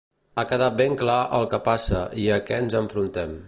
Ha quedat ben clar el que passa i a què ens enfrontem.